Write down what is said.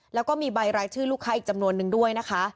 แล้วก็มีใบรายชื่อลูกค้าอีกจำนวนนึงด้วยนะคะ